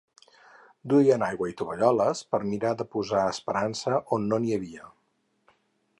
Duien aigua i tovalloles per mirar de posar esperança on no n’hi havia.